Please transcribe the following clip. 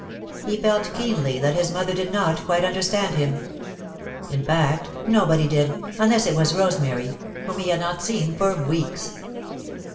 He felt, keenly, that his mother did not quite understand him. In fact, nobody did, unless it was Rosemary, whom he had not seen for weeks.